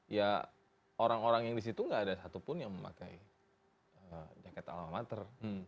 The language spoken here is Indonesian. ya orang orang yang di situ nggak ada satupun yang memakai jaket alma mater